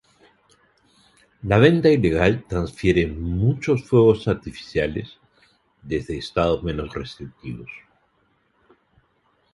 La venta ilegal transfiere muchos fuegos artificiales desde estados menos restrictivos.